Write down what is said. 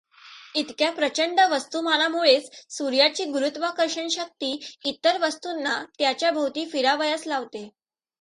इतक्या प्रचंड वस्तुमानामुळेच सूर्याची गुरुत्वाकर्षण शक्ती इतर वस्तूंना त्याच्या भोवती फिरावयास लावते.